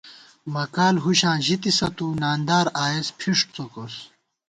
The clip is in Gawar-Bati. مکال ہُشاں ژِتِسہ تُو ، ناندار آئېس پھِݭ څوکوس